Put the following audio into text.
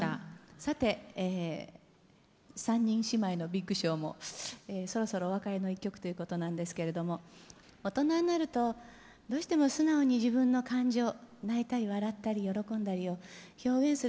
さて３人姉妹の「ビッグショー」もそろそろお別れの一曲ということなんですけれども大人になるとどうしても素直に自分の感情泣いたり笑ったり喜んだりを表現することが難しくなりますよね。